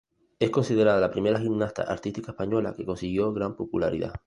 Es considerada la primera gimnasta artística española que consiguió gran popularidad.